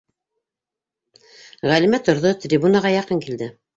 Ғәлимә торҙо, трибунаға яҡын килде: